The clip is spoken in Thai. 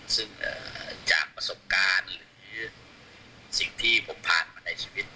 ซึ่งจากประสบการณ์หรือสิ่งที่ผมผ่านมาในชีวิต